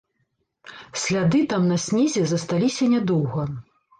Сляды там на снезе засталіся нядоўга.